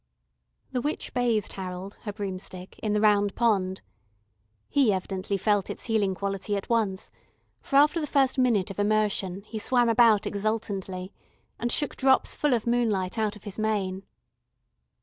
The witch bathed Harold, her broomstick, in the Round Pond. He evidently felt its healing quality at once, for after the first minute of immersion, he swam about exultantly, and shook drops full of moonlight out of his mane.